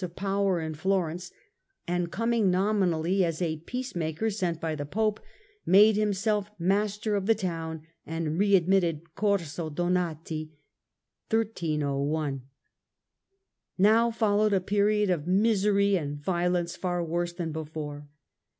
• 11 Valois in of power m Florence, and commg nommally as a peace Florence, maker sent by the Pope, made himself master of the town and readmitted Corso Donati, Now followed a period of misery and violence far worse than before.